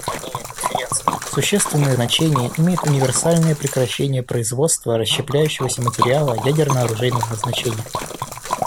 Существенное значение имеет универсальное прекращение производства расщепляющегося материала ядерно-оружейного назначения.